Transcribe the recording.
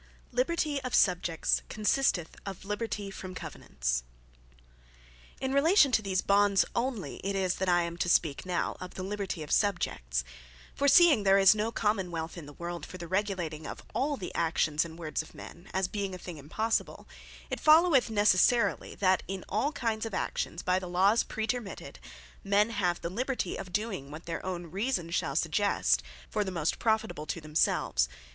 Liberty Of Subjects Consisteth In Liberty From Covenants In relation to these Bonds only it is, that I am to speak now, of the Liberty of Subjects. For seeing there is no Common wealth in the world, for the regulating of all the actions, and words of men, (as being a thing impossible:) it followeth necessarily, that in all kinds of actions, by the laws praetermitted, men have the Liberty, of doing what their own reasons shall suggest, for the most profitable to themselves.